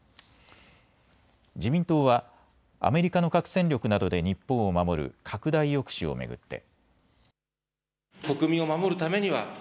自民党はアメリカの核戦力などで日本を守る拡大抑止を巡って。